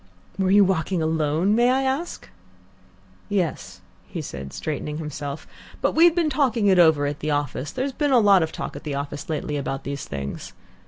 "Were you walking alone, may I ask?" "Yes," he said, straightening himself; "but we'd been talking it over at the office. There's been a lot of talk at the office lately about these things.